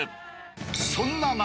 ［そんな中］